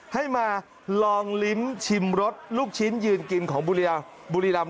ให้มาลองลิ้มชิมรสลูกชิ้นยืนกินของบุรีรำ